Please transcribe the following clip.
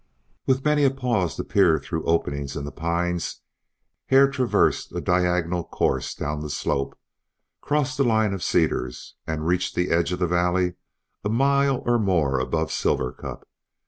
With many a pause to peer through openings in the pines Hare traversed a diagonal course down the slope, crossed the line of cedars, and reached the edge of the valley a mile or more above Silver Cup.